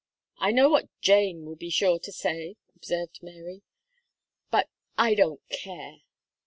"I know what Jane will be sure to say," observed Mary; "but I don't care."